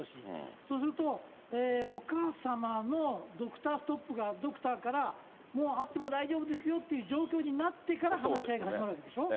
そうすると、お母様のドクターストップが、ドクターからもう会っても大丈夫ですよっていう状況になってから話し合いが始まるわけでしょ。